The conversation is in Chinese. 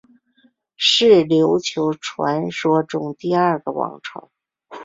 是琉球传说中第二个王朝。